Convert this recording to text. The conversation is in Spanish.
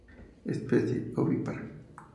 Especie ovípara.